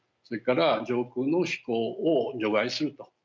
それから上空の飛行を除外すると。